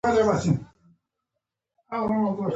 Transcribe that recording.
غرونه د افغانستان د دوامداره پرمختګ لپاره اړین دي.